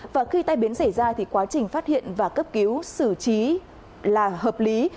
và khi tai biến xảy ra thì quá trình phát hiện và cấp cứu xử trí là hợp lý